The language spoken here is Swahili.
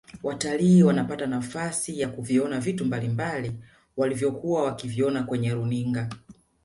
watalii wanapata nafasi ya kuviona vitu mbalimbali walivyokuwa wakiona kwenye runinga